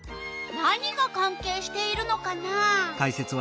何がかんけいしているのかな？